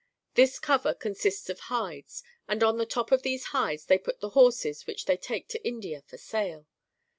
This cover consists of hides, and on the top of these hides they put the horses which they take to India for sale.